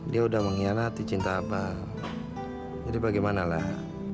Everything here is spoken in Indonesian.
dia udah mengkhianati cinta apa jadi bagaimana lah